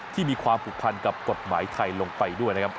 ที่มีความผูกพันกับกฎหมายไทยลงไปด้วยนะครับ